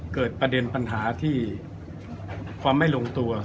เกิดประเด็นปัญหาที่ความไม่ลงตัว